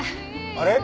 あれ？